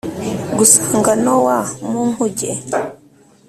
gusanga Nowa mu nkuge